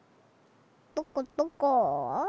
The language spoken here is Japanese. どこどこ？